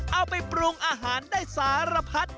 เอาไปปรุงอาหารได้สารพัด